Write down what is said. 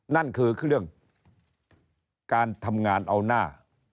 นั่นคือเรื่องการทำงานเอาหน้า